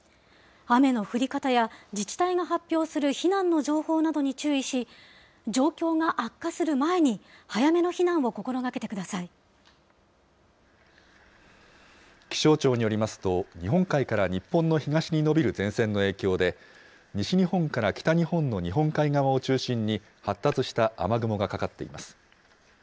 雨の降り方や自治体が発表する避難の情報などに注意し、状況が悪化する前に、気象庁によりますと、日本海から日本の東に延びる前線の影響で、西日本から北日本の日本海側を中心に発達した雨雲がかかっています。